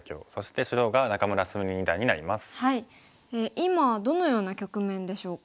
今どのような局面でしょうか？